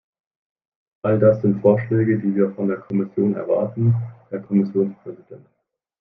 All das sind Vorschläge, die wir von der Kommission erwarten, Herr Kommissionspräsident.